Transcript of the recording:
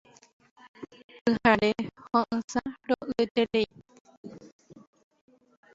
Pyhare, ho'ysã, ro'yeterei.